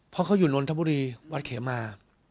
พอเขาอยู่นรทบุรีวัดเขม้า